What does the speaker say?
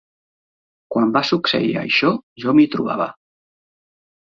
Quan va succeir això, jo m'hi trobava.